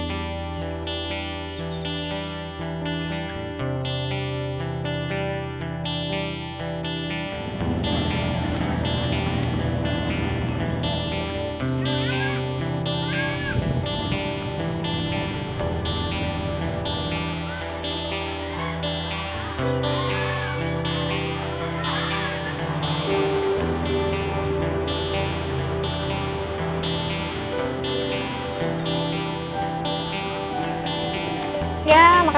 ya makasih females